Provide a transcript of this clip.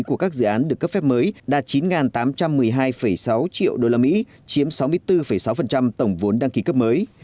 của các dự án được cấp phép mới đạt chín tám trăm một mươi hai sáu triệu usd chiếm sáu mươi bốn sáu tổng vốn đăng ký cấp mới